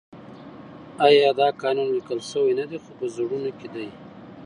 آیا دا قانون لیکل شوی نه دی خو په زړونو کې دی؟